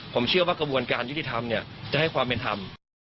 ผมเชื่อว่ากระบวนการยุติธรรมจะให้ความเป็นธรรม